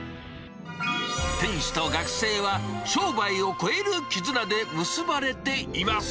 店主と学生は、商売を超える絆で結ばれています。